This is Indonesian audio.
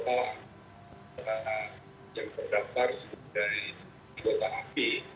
jadi total yang terdaftar dari anggota afpi